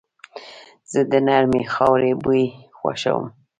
زه د نرمې خاورې بوی خوښوم.